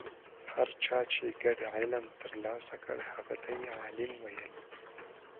هر چا چې ګډ علم ترلاسه کړ هغه ته یې عالم ویل.